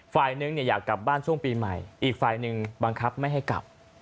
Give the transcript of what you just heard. ฝ่ายนึงอยากกลับบ้านช่วงปีใหม่อีกฝ่ายหนึ่งบังคับไม่ให้กลับ